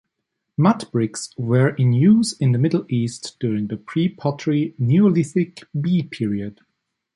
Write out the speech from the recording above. Mudbricks were in use in the Middle East during the Pre-Pottery Neolithic B period.